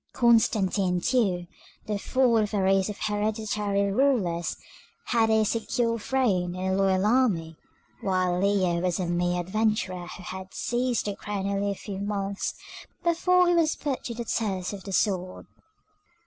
Constantine too, the fourth of a race of hereditary rulers, had a secure throne and a loyal army, while Leo was a mere adventurer who had seized the crown only a few months before he was put to the test of the sword.